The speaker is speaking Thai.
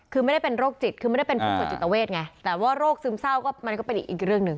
คือไม่ได้เป็นโรคจิตคือไม่ได้เป็นผู้ป่วยจิตเวทไงแต่ว่าโรคซึมเศร้าก็มันก็เป็นอีกเรื่องหนึ่ง